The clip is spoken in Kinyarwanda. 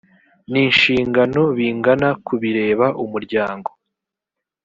n inshingano bingana ku bireba umuryango